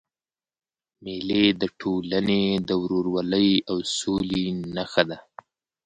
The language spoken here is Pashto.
مېلې د ټولني د ورورولۍ او سولي نخښه ده.